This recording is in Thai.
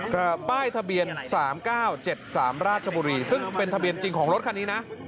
ค่ะป้ายทะเบียน๓๙๗๓ราชบุรีซึ่งเป็นทะเบียนจริงของรถคันนี้นะ